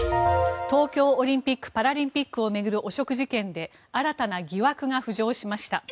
東京オリンピック・パラリンピックを巡る汚職事件で新たな疑惑が浮上しました。